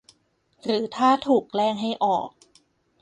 หรือถ้าถูกแกล้งให้ออก